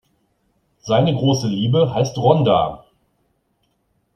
Seine große Liebe heißt Rhonda.